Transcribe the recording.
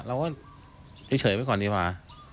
เราก็เฉยไว้ก่อนดีกว่า